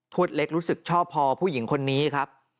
วดเล็กรู้สึกชอบพอผู้หญิงคนนี้ครับ